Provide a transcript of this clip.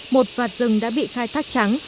một vạt rừng đã bị khai thác trắng